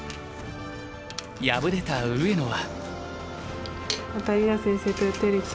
敗れた上野は。